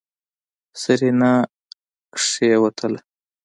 سېرېنا کېوتله.